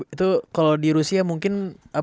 itu kalau di rusia mungkin